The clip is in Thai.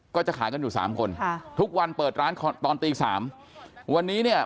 ก็จะขายกันอยู่สามคนค่ะทุกวันเปิดร้านตอนตีสามวันนี้เนี่ย